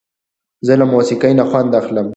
زه له موسیقۍ نه خوند اخلم.